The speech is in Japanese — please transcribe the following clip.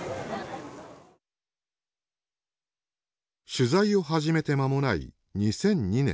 取材を始めて間もない２００２年。